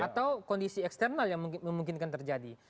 atau kondisi eksternal yang memungkinkan terjadi